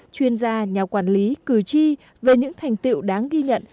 chuyên gia nhà quản lý cử tri về những thành tiệu đáng ghi nhận